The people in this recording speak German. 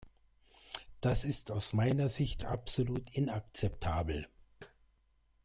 Das ist aus meiner Sicht absolut inakzeptabel.